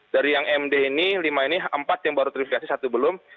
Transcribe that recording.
dari yang md ini lima ini empat yang baru terifikasi satu belum